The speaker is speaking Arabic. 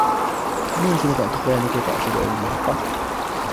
هل يمكنك أن تخبرني كيف أصل إلى المحطة ؟